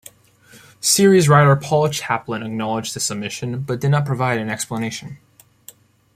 Series writer Paul Chaplin acknowledged this omission, but did not provide an explanation.